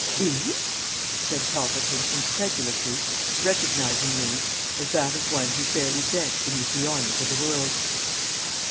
"He?" said Toppleton, incredulously, recognizing the name as that of one who fairly bent beneath the honours of the world.